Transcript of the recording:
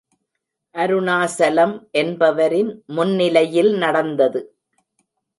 அருணாசலம் என்பவரின் முன்னிலையில் நடந்தது.